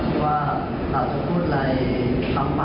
สวัสดีครับ